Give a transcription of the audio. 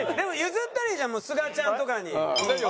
譲ったらいいじゃんもうすがちゃんとかに。